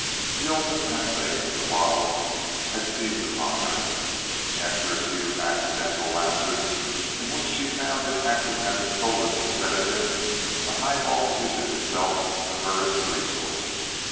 The old nepenthe of the bottle had seized upon her. After a few accidental lapses, in which she found it acted as a solace or sedative, the highball visioned itself to her as a resource.